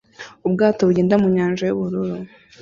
Ubwato bugenda mu nyanja y'ubururu